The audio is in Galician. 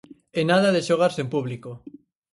E nada de xogar sen público.